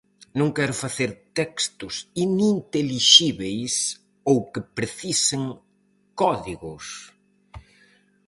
Non quero facer textos inintelixíbeis ou que precisen códigos.